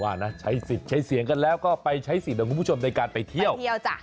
นะใช้สิทธิ์ใช้เสียงกันแล้วก็ไปใช้สิทธิ์ของคุณผู้ชมในการไปเที่ยวเที่ยวจ้ะ